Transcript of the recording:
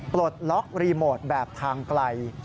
ปลดล็อกรีโมทแบบทางไกล